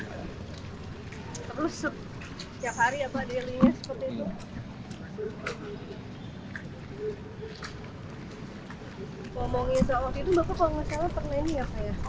bapak kalau gak salah pernah ini ya pak ya